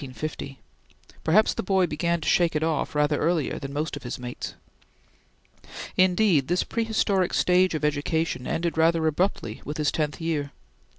Perhaps the boy began to shake it off rather earlier than most of his mates. Indeed this prehistoric stage of education ended rather abruptly with his tenth year.